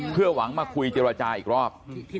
เพื่อหวังมาคุยเจรจาอีกรอบ